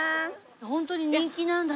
ホントに人気なんだね。